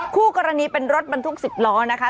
คู่กรณีเป็นรถบรรทุก๑๐ล้อนะคะ